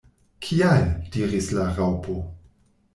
"Kial?" diris la Raŭpo.